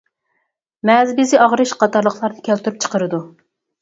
مەزى بېزى ئاغرىش قاتارلىقلارنى كەلتۈرۈپ چىقىرىدۇ.